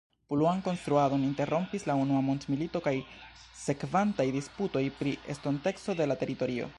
Pluan konstruadon interrompis la unua mondmilito kaj sekvantaj disputoj pri estonteco de la teritorio.